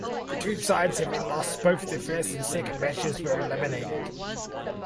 The two sides having lost both their first and second matches were eliminated.